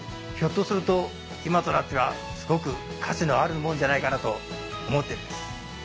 ひょっとすると今となってはすごく価値のあるもんじゃないかなと思っています。